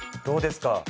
どうですか。